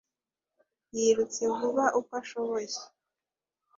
Yirutse vuba uko ashoboye.